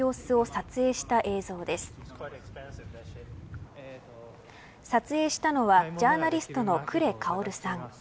撮影したのはジャーナリストのクレ・カオルさん。